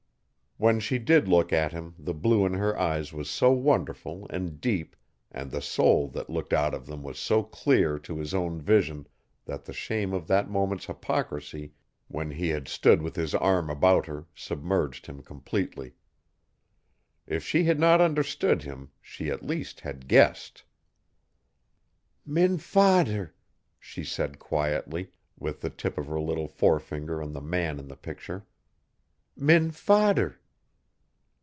When she did look at him the blue in her eyes was so wonderful and deep and the soul that looked out of them was so clear to his own vision that the shame of that moment's hypocrisy when he had stood with his arm about her submerged him completely. If she had not understood him she at least HAD GUESSED. "Min fader," she said quietly, with the tip of her little forefinger on the man in the picture. "Min fader."